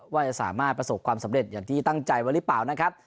ว่าจะสามารถประสบความสำเร็จอย่างที่ตั้งใจไว้หรือเปล่านะครับ